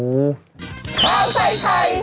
อืมโอ้โฮ